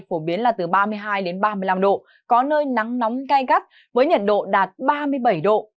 phổ biến là từ ba mươi hai ba mươi năm độ có nơi nắng nóng gai gắt với nhiệt độ đạt ba mươi bảy độ